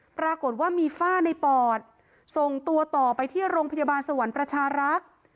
ปรากฏว่ามีฝ้าในปอดส่งตัวต่อไปที่โรงพยาบาลสวรรค์ประชารักษ์